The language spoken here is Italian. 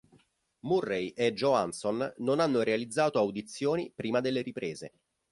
Murray e Johansson non hanno realizzato audizioni prima delle riprese.